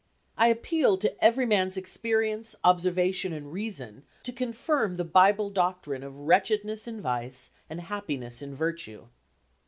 I appealed to every man's experience, observation and reason, to confirm the Bible doctrine of wretchedness in vice and happiness in virtue.